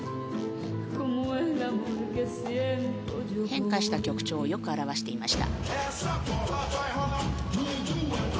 変化した曲調をよく表していました。